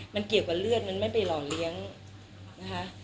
มันเกี่ยวกับเลือดมันไม่ไปหล่อเลี้ยงนะคะ